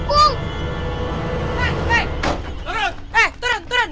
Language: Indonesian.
eh turun turun